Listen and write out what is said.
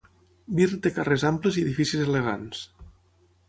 Birr té carrers amples i edificis elegants.